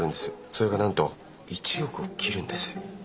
それがなんと１億を切るんです。